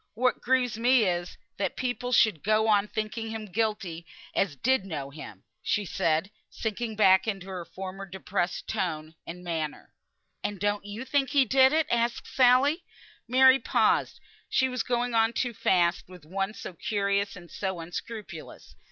What grieves me is, that people should go on thinking him guilty as did know him," she said, sinking back into her former depressed tone and manner. "And don't you think he did it?" asked Sally. Mary paused; she was going on too fast with one so curious and so unscrupulous.